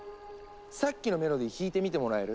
さっきのメロディー弾いてみてもらえる？